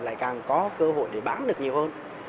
lại càng có cơ hội để bán được nhiều hơn